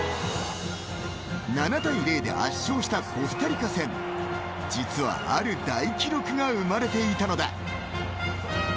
７対０で圧勝したコスタリカ戦実はある大記録が生まれていたのだ。